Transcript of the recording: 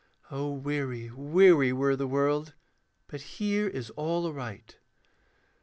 (O weary, weary were the world, But here is all aright.)